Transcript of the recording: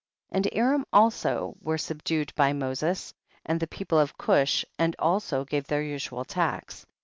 46. And Aram also were subdued by Moses and the people of Cush, and also gave their usual tax.